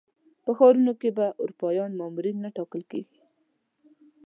په ښارونو کې به اروپایي مامورین نه ټاکل کېږي.